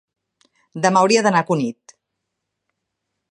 demà hauria d'anar a Cunit.